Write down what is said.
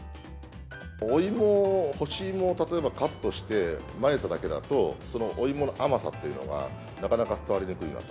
お芋を、干し芋を、例えばカットして、混ぜただけだと、そのお芋の甘さっていうのはなかなか伝わりにくいなと。